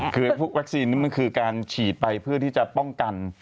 คือพวกวัคซีนนี้มันคือการฉีดไปเพื่อที่จะป้องกัน